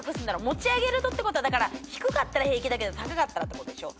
持ち上げるとってことはだから低かったら平気だけど高かったらってことでしょ？